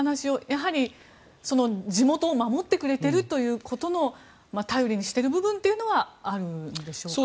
やはり、地元を守ってくれているということの頼りにしている部分というのはあるのでしょうか。